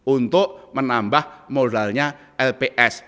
untuk menambah modalnya lps